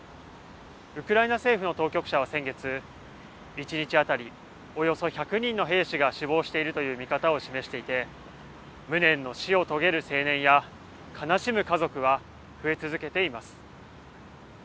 ウクライナ政府の当局者は先月１日当たりおよそ１００人の兵士が死亡しているという見方を示していて無念の死を遂げる青年や悲しむ家族は増え続けています。